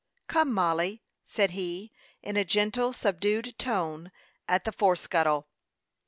"Come, Mollie," said he, in a gentle, subdued tone, at the fore scuttle.